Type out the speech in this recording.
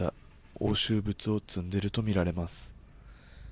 押収物を積んでいるとみられます。